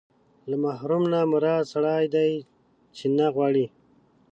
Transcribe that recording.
له محروم نه مراد سړی دی چې نه غواړي.